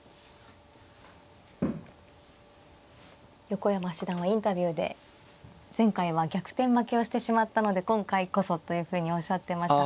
横山七段はインタビューで前回は逆転負けをしてしまったので今回こそというふうにおっしゃってました。